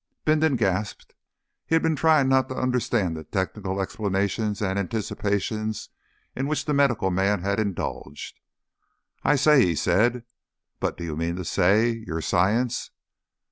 Bindon gasped. He had been trying not to understand the technical explanations and anticipations in which the medical man had indulged. "I say!" he said. "But do you mean to say ... Your science